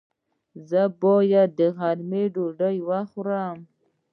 ایا زه باید د غرمې ډوډۍ وخورم؟